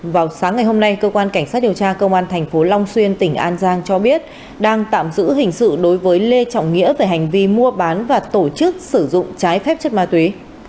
vào sáng ngày hôm nay cơ quan cảnh sát điều tra công an tp long xuyên tỉnh an giang cho biết đang tạm giữ hình sự đối với lê trọng nghĩa về hành vi mua bán và tổ chức sử dụng trái phép chất ma túy